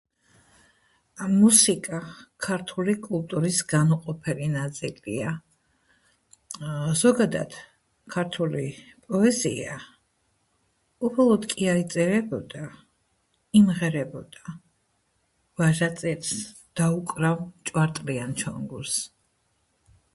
მუსიკა ქართული კულტურის განუყოფელი ნაწილია, ზოგადად ქართული პოეზია უბრალოდ კი არ იწერებოდა, იმღერებოდა. ვაჟა წერს: დავუკრავ ჭვარტლიან ჩონგურს.